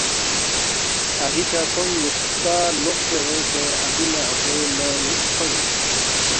اَہیکھہ کھونگ نِ٘یسکا لوقسے اونگسے اپی نہ اپوے ننگ نُو تھونس